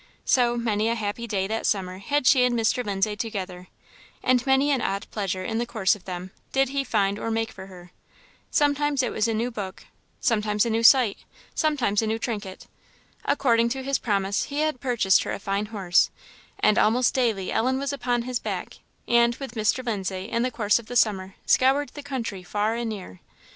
So, many a happy day, that summer, had she and Mr. Lindsay together, and many an odd pleasure, in the course of them, did he find or make for her. Sometimes it was a new book, sometimes a new sight, sometimes a new trinket. According to his promise, he had purchased her a fine horse, and almost daily Ellen was upon his back, and, with Mr. Lindsay, in the course of the summer, scoured the country, far and near.